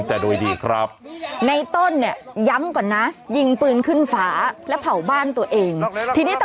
ช่วยเจียมช่วยเจียม